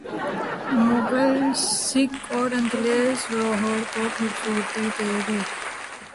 مغل، سکھ اور انگریز لاہور کو خوبصورتی دے گئے۔